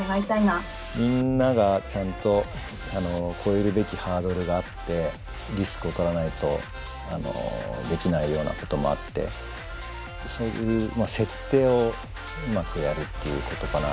みんながちゃんと越えるべきハードルがあってリスクをとらないとできないようなこともあってそういう設定をうまくやるっていうことかな。